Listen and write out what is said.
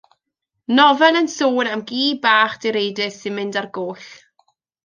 Nofel yn sôn am gi bach direidus sy'n mynd ar goll.